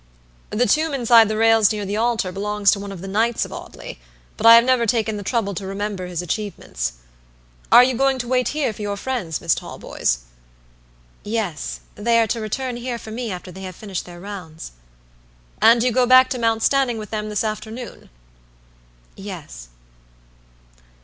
The tomb inside the rails near the altar belongs to one of the knights of Audley, but I have never taken the trouble to remember his achievements. Are you going to wait here for your friends, Miss Talboys?" "Yes; they are to return here for me after they have finished their rounds." "And you go back to Mount Stanning with them this afternoon?" "Yes."